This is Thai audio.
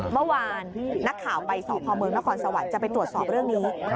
เมื่อวานนักข่าวไปสพเมืองนครสวรรค์จะไปตรวจสอบเรื่องนี้